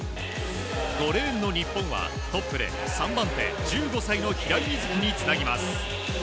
５レーンの日本はトップで３番手１５歳の平井瑞希につなぎます。